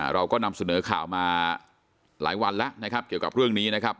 เราก็นำเสนอข่าวมาหลายวันแล้วนะครับเกี่ยวกับเรื่องนี้นะครับ